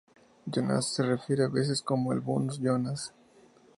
Jonas se refiere a veces como el "Bonus Jonas".